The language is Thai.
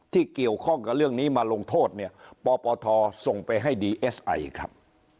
ที่เกี่ยวข้องกับเรื่องนี้มาลงโทษเนี่ยปปทส่งไปให้ดีเอสไอครับ